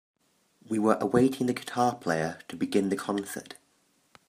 We were awaiting the guitar player to begin the concert.